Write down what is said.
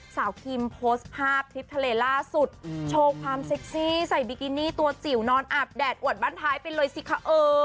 คิมโพสต์ภาพทริปทะเลล่าสุดโชว์ความเซ็กซี่ใส่บิกินี่ตัวจิ๋วนอนอาบแดดอวดบ้านท้ายไปเลยสิคะเออ